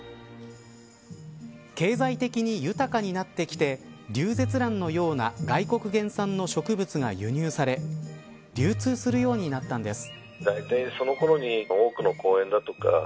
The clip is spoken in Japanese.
経済的に豊かになってきてリュウゼツランのような外国原産の植物が輸入され流通するようになったんです。